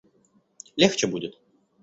Легче будет.